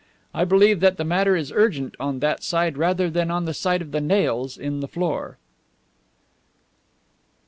I believe that the matter is urgent on that side rather than on the side of the nails in the floor.